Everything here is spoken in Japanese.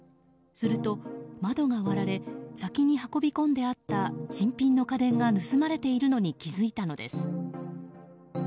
すると、窓が割られ先に運び込んであった新品の家電が盗まれているのに気付いたのです。